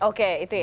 oke itu ya